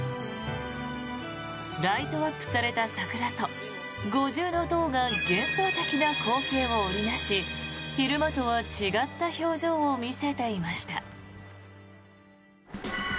ライトアップされた桜と五重塔が幻想的な光景を織りなし昼間とは違った表情を見せていました。